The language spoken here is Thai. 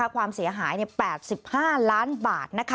ความเสียหาย๘๕ล้านบาท